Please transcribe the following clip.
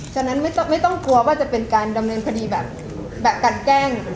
ฉะนั้นไม่ต้องกลัวว่าจะเป็นการดำเนินคดีแบบกันแกล้ง